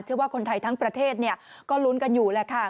ว่าคนไทยทั้งประเทศก็ลุ้นกันอยู่แหละค่ะ